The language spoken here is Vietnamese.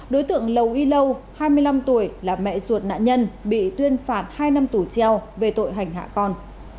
đối tượng lầu y lâu hai mươi năm tuổi là mẹ ruột nạn nhân bị tuyên phạt hai năm tù treo về tội hành hạ con